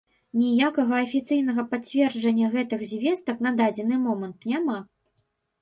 Ніякага афіцыйнага пацверджання гэтых звестак на дадзены момант няма.